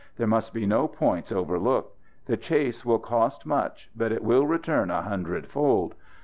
There must be no points overlooked. The chase will cost much, but it will return a hundredfold.